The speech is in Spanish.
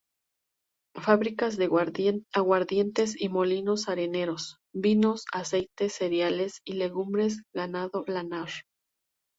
Fábricas de aguardientes y molinos harineros; vinos, aceites, cereales y legumbres: ganado lanar.